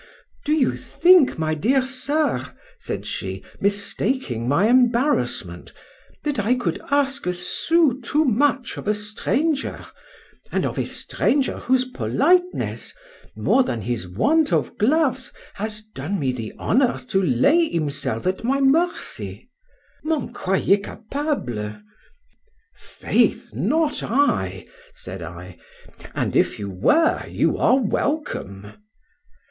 —Do you think, my dear Sir, said she, mistaking my embarrassment, that I could ask a sous too much of a stranger—and of a stranger whose politeness, more than his want of gloves, has done me the honour to lay himself at my mercy?—M'en croyez capable?—Faith! not I, said I; and if you were, you are welcome.